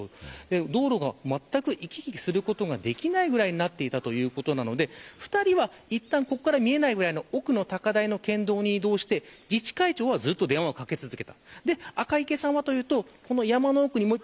道路がまったく行き来することができないぐらいになっていたということなので２人はいったん、ここから見えないぐらいの奥の高台の県道に移動して自治会長はずっと電話をかけ続けた。